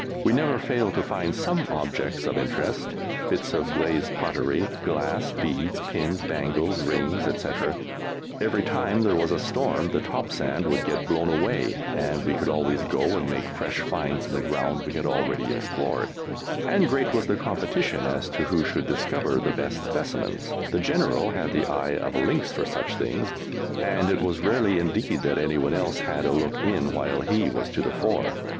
We never failed to find some objects of interest bits of glazed pottery, glass, beads, pins, bangles, rings, etc. Every time there was a storm the top sand would get blown away and we could always go and make fresh finds in the ground we had already explored, and great was the competition as to who should discover the best specimens. [Illustration: GROUP OF OFFICERS AT RAFA] The General had the eye of a lynx for such things, and it was rarely indeed that anyone else had a look in while he was to the fore.